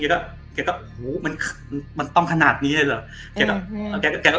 ฮะกิ๊กก็แกก็โอ้โหมันคเี้นนี่ใช่ไหมแกก็แกก็แกก็